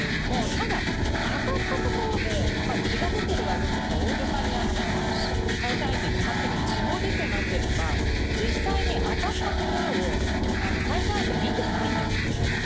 ただ、当たったところで、血が出てるわよとか、大げさに対戦相手、言ってましたけど、血も出てなければ、実際に当たった所を、対戦相手、見てないんですよね。